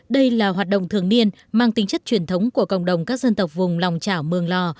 đây là hoạt động thường niên mang tính chất truyền thống của cộng đồng các dân tộc vùng lòng chảo mường lò